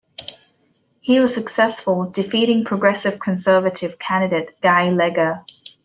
He was successful, defeating Progressive Conservative candidate Guy Leger.